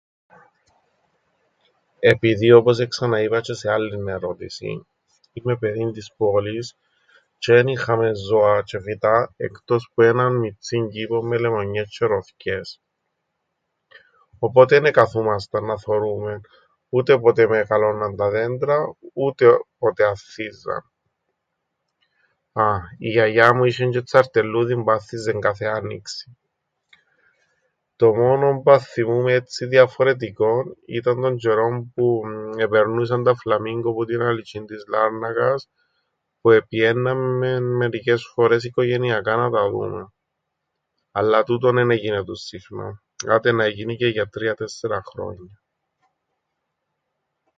Επειδή όπως εξαναείπα τζ̆αι σε άλλην ερώτησην είμαι παιδίν της πόλης τζ̆αι εν είχαμεν ζώα τζ̆αι φυτά εκτός που έναν μιτσήν κήπον με λεμονιές τζ̆αι ροθκιές. Οπότε εν εκαθούμασταν να θωρούμεν ούτε πότε εμεγαλώνναν τα δέντρα ούτε όποτε ανθίζαν. Α! Η γιαγιά μου είσ̆εν τζ̆αι τσαρτελλούδιν που άνθιζεν κάθε άννοιξην. Το μόνον που αθθυμούμαι έτσι διαφορετικόν ήταν τον τζ̆αιρόν που επερνούσαν τα φλαμίγκο που την αλυτζ̆ήν της Λάρνακας που επηαίνναμεν μερικές φορές οικογενειακά να τα δούμεν. Αλλά τούτον εν εγίνετουν συχνά. Άτε να εγίνηκεν για τρία – τέσσερα χρόνια.